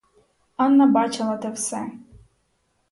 Анна бачила те все.